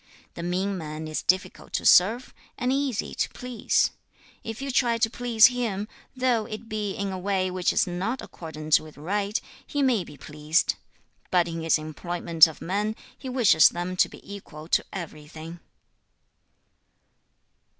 The mean man is difficult to serve, and easy to please. If you try to please him, though it be in a way which is not accordant with right, he may be pleased. But in his employment of men, he wishes them to be equal to everything.'